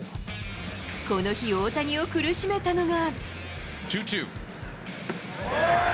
この日、大谷を苦しめたのが。